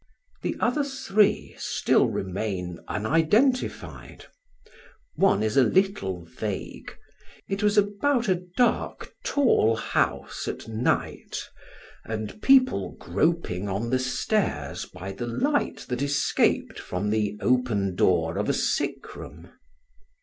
The other three still remain unidentified. One is a little vague; it was about a dark, tall house at night, and people groping on the stairs by the light that escaped from the open door of a sickroom.